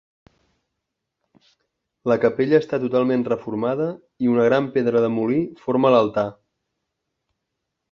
La capella està totalment reformada i una gran pedra de molí forma l'altar.